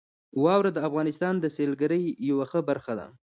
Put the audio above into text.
واوره د افغانستان د سیلګرۍ یوه ښه برخه ده.